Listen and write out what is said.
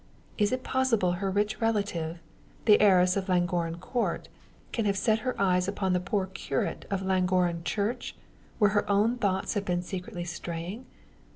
Is it possible her rich relative the heiress of Llangorren Court can have set her eyes upon the poor curate of Llangorren Church, where her own thoughts have been secretly straying?